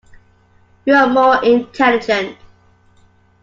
You are more intelligent.